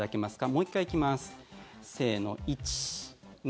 もう１回行きます。